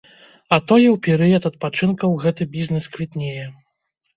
А тое ў перыяд адпачынкаў гэты бізнэс квітнее.